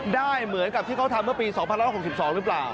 ได้เหมือนกับที่เขาทำเมื่อปี๒๑๖๒หรือเปล่า